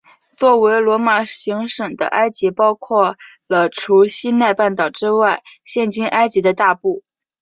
作为罗马行省的埃及包括了除西奈半岛之外现今埃及的大部。